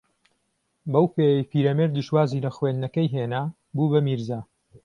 بەو پێیەی پیرەمێردیش وازی لە خوێندنەکەی ھێنا، بوو بە میرزا